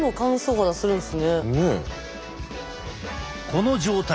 この状態